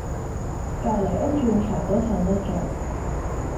隔離屋鑽牆都瞓得著